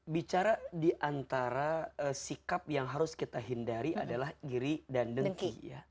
bicara di antara sikap yang harus kita hindari adalah iri dan dengki ya